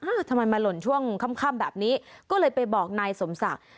ทำไมมาหล่นช่วงค่ำแบบนี้ก็เลยไปบอกนายสมศักดิ์